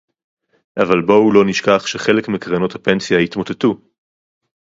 אבל בואו לא נשכח שחלק מקרנות הפנסיה התמוטטו